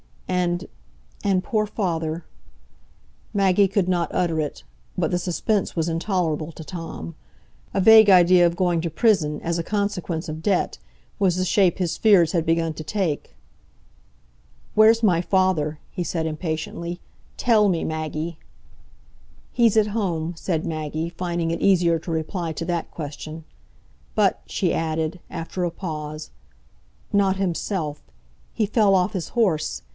"And—and—poor father——" Maggie could not utter it. But the suspense was intolerable to Tom. A vague idea of going to prison, as a consequence of debt, was the shape his fears had begun to take. "Where's my father?" he said impatiently. "Tell me, Maggie." "He's at home," said Maggie, finding it easier to reply to that question. "But," she added, after a pause, "not himself—he fell off his horse.